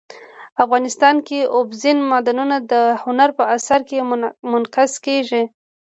افغانستان کې اوبزین معدنونه د هنر په اثار کې منعکس کېږي.